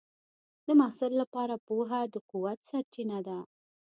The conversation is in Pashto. د محصل لپاره پوهه د قوت سرچینه ده.